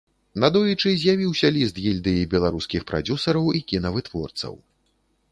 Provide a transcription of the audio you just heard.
Надоечы з'явіўся ліст гільдыі беларускіх прадзюсараў і кінавытворцаў.